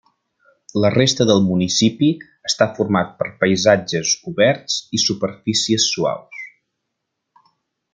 La resta del municipi està format per paisatges oberts i superfícies suaus.